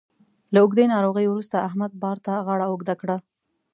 له اوږدې ناروغۍ وروسته احمد بار ته غاړه اوږده کړه